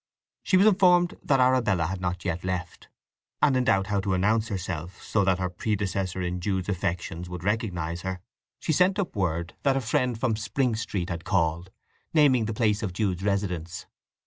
She was informed that Arabella had not yet left, and in doubt how to announce herself so that her predecessor in Jude's affections would recognize her, she sent up word that a friend from Spring Street had called, naming the place of Jude's residence.